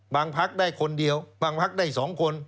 พักได้คนเดียวบางพักได้๒คน